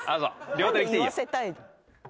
両手できていいよ。